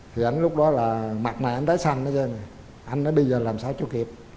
thì anh lúc đó là mặt này anh đáy xanh anh nói đi giờ làm sao chưa kịp